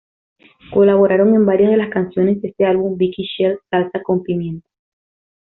Colaboraron en varias de las canciones de este álbum Vicky Shell Salsa con Pimienta!